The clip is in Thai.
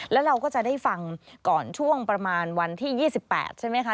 แล้วเราก็จะได้ฟังก่อนช่วงประมาณวันที่๒๘ใช่ไหมคะ